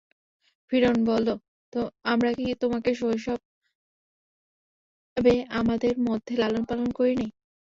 ফিরআউন বলল, আমরা কি তোমাকে শৈশবে আমাদের মধ্যে লালন-পালন করিনি?